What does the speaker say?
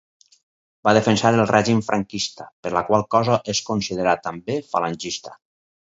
Va defensar el règim franquista, per la qual cosa és considerat també falangista.